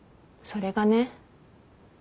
それがね